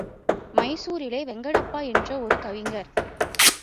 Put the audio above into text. மைசூரிலே வெங்கடப்பா என்ற ஒரு கவிஞர்.